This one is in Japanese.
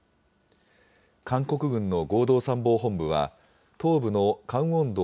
韓国軍の合同参謀本部は東部のカンウォン道